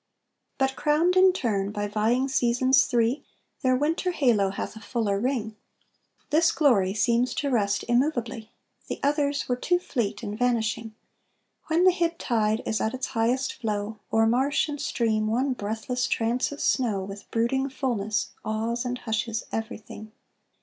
But, crowned in turn by vying seasons three, Their winter halo hath a fuller ring; This glory seems to rest immovably, The others were too fleet and vanishing; When the hid tide is at its highest flow, O'er marsh and stream one breathless trance of snow With brooding fulness awes and hushes everything.